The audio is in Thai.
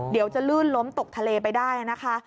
เดี๋ยวจะลื่นล้มตกทะเลไปได้นะคะ